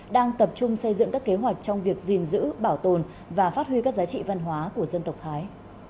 đang tập trung xây dựng các kế hoạch trong việc gìn giữ bảo tồn và phát huy các giá trị văn hóa của dân tộc thái